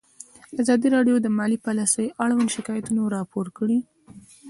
ازادي راډیو د مالي پالیسي اړوند شکایتونه راپور کړي.